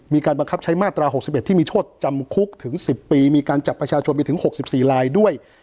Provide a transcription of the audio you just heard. มีการบังคับใช้มาตราหกสิบเอ็ดที่มีโชคจำคุกถึงสิบปีมีการจับประชาชนไปถึงหกสิบสี่ลายด้วย